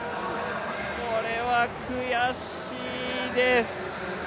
これは悔しいです。